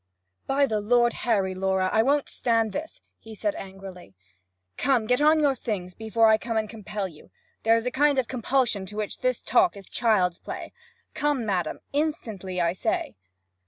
'By the Lord Harry, Laura, I won't stand this!' he said angrily. 'Come, get on your things before I come and compel you. There is a kind of compulsion to which this talk is child's play. Come, madam instantly, I say!'